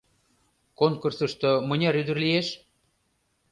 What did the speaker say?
— Конкурсышто мыняр ӱдыр лиеш?